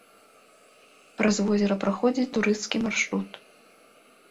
Праз возера праходзіць турысцкі маршрут.